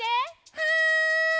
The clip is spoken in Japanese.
はい！